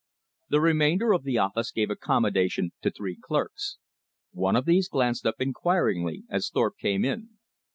The remainder of the office gave accommodation to three clerks. One of these glanced up inquiringly as Thorpe came in.